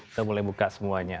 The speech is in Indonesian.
udah mulai buka semuanya